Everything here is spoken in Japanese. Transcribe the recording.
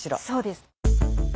そうです。